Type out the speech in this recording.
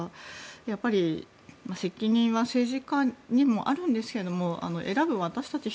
やっぱり責任は政治家にもあるんですが選ぶ私たち